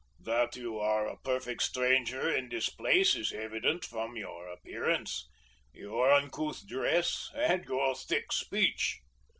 "That you are a perfect stranger in this place is evident from your appearance, your uncouth dress, and your thick speech."